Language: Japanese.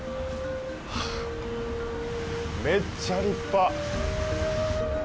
めっちゃ立派。